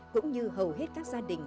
cũng như hầu hết các gia đình